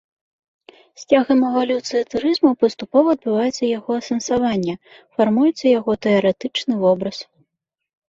З цягам эвалюцыі турызму паступова адбываецца яго асэнсаванне, фармуецца яго тэарэтычны вобраз.